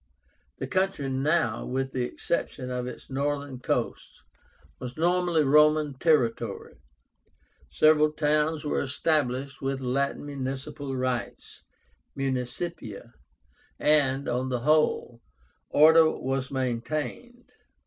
The country now, with the exception of its northern coast, was nominally Roman territory. Several towns were established with Latin municipal rights (municipia), and, on the whole, order was maintained.